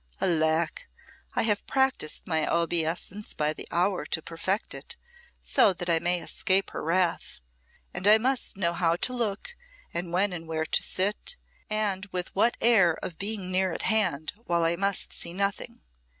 Alack! I have practised my obeisance by the hour to perfect it, so that I may escape her wrath. And I must know how to look, and when and where to sit, and with what air of being near at hand, while I must see nothing!